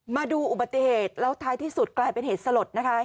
มาดูอุบัติเหตุแล้วท้ายที่สุดกลายเป็นเหตุสลดนะคะ